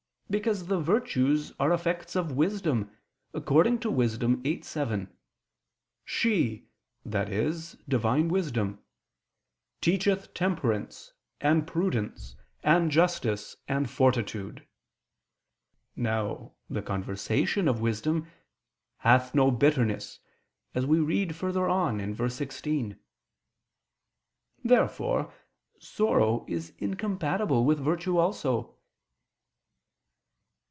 Because the virtues are effects of wisdom, according to Wis. 8:7: "She," i.e. Divine wisdom, "teacheth temperance, and prudence, and justice, and fortitude." Now the "conversation" of wisdom "hath no bitterness," as we read further on (verse 16). Therefore sorrow is incompatible with virtue also.